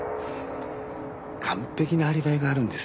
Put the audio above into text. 完璧なアリバイがあるんですよ。